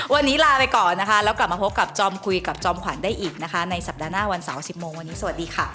วันนี้ลาไปก่อนนะคะแล้วกลับมาพบกับจอมคุยกับจอมขวัญได้อีกนะคะในสัปดาห์หน้าวันเสาร์๑๐โมงวันนี้สวัสดีค่ะ